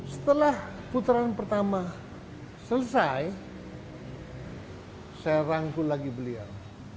setelah putaran pertama selesai saya rangkul lagi beliau